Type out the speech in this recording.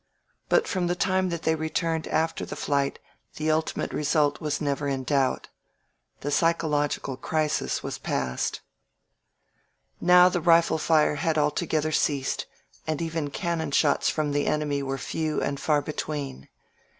But from the time that they returned after the fli^t the ultimate result was never in doubt. The psychological crisis was past. .•• Now the rifle fire had altogether ceased, and even cannon shots from the enemy were few and far between.